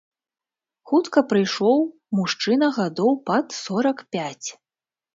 Хутка прыйшоў мужчына гадоў пад сорак пяць.